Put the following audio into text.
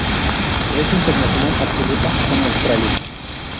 Es internacional absoluta con Australia.